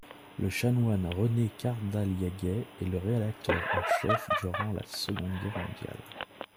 Le chanoine René Cardaliaguet est le rédacteur en chef durant la Seconde Guerre mondiale.